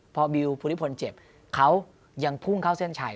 พอบิวภูริพลเจ็บเขายังพุ่งเข้าเส้นชัย